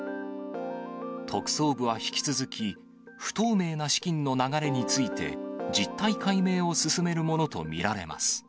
特捜部は引き続き、不透明な資金の流れについて実態解明を進めるものと見られます。